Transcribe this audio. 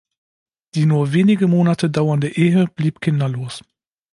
Die nur wenige Monate dauernde Ehe blieb kinderlos.